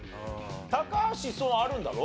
高橋あるんだろ？